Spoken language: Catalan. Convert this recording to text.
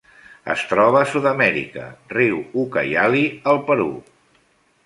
Es troba a Sud-amèrica: riu Ucayali al Perú.